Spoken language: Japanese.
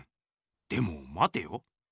でもまてよ。